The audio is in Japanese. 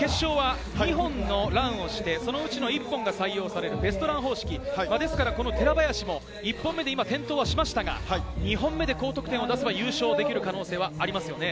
決勝は２本のランをして、そのうち１本が採用されるベストラン方式、寺林も１本目で今、転倒はしましたが、２本目で高得点を出せば優勝できる可能性はありますよね。